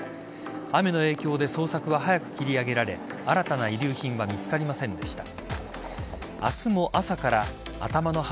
雨の影響で捜索は早く切り上げられ新たな遺留品は見つかりませんでした。